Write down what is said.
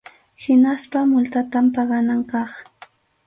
Hinaspa multata paganan kaq.